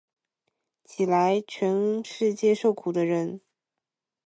起来，全世界受苦的人！